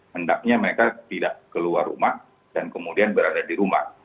hendaknya mereka tidak keluar rumah dan kemudian berada di rumah